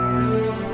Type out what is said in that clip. aku mau bantuin